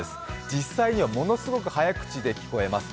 実際にはものすごく早口で聞こえます。